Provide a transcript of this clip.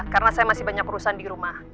karena saya masih banyak urusan di rumah